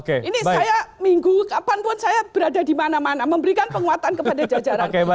ini saya minggu kapanpun saya berada di mana mana memberikan penguatan kepada jajaran